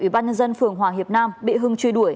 ủy ban nhân dân phường hòa hiệp nam bị hưng truy đuổi